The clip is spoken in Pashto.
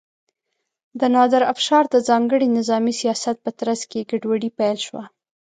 د نادر افشار د ځانګړي نظامي سیاست په ترڅ کې ګډوډي پیل شوه.